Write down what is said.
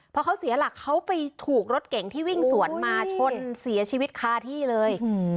พอเขาเสียหลักเขาไปถูกรถเก่งที่วิ่งสวนมาชนเสียชีวิตคาที่เลย